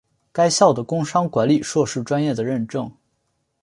该校的工商管理硕士专业的认证。